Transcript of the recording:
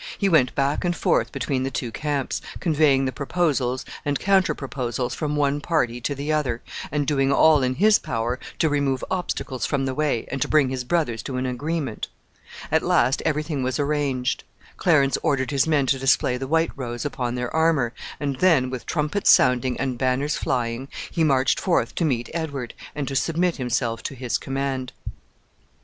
He went back and forth between the two camps, conveying the proposals and counter proposals from one party to the other, and doing all in his power to remove obstacles from the way, and to bring his brothers to an agreement. At last every thing was arranged. Clarence ordered his men to display the white rose upon their armor, and then, with trumpets sounding and banners flying, he marched forth to meet Edward, and to submit himself to his command.